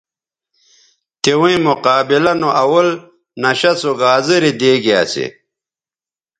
تویں مقابلہ نو اول نشہ سو گازرے دیگے اسے